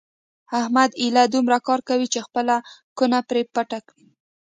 احمد ایله دومره کار کوي چې خپله کونه پرې پټه کړي.